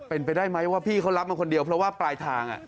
เป็นไปได้ไหมว่าพี่เขารับมาคนเดียวเพราะว่าปลายทาง